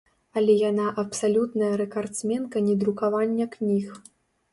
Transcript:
Але яна абсалютная рэкардсменка недрукавання кніг.